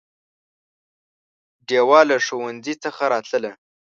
ډېوه له ښوونځي څخه راتلله